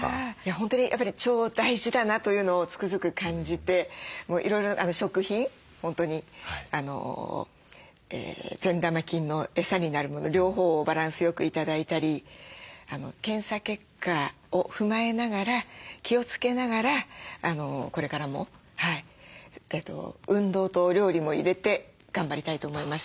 本当にやっぱり腸大事だなというのをつくづく感じていろいろ食品本当に善玉菌のエサになるもの両方をバランスよく頂いたり検査結果を踏まえながら気をつけながらこれからも運動とお料理も入れて頑張りたいと思いました。